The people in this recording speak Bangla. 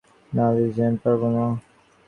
না, লিজি, আমি পারবো না।